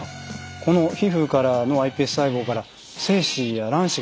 この皮膚からのｉＰＳ細胞から精子や卵子ができるかもしれない。